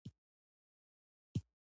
مېلمه ته ښه راغلاست ویل لازم دي.